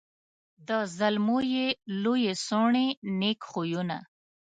د زلمو یې لويي څوڼي نېک خویونه